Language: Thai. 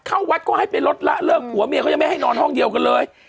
เข้าวัดก็ให้ไปลดละเลิกผัวเมียเขายังไม่ให้นอนห้องเดียวกันเลย